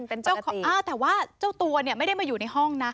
เป็นปกติแต่ว่าเจ้าตัวไม่ได้มาอยู่ในห้อง